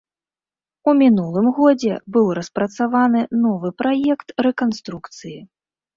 У мінулым годзе быў распрацаваны новы праект рэканструкцыі.